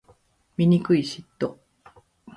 醜い嫉妬